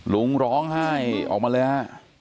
ลุงร้องไห้ออกมาเลยฮะ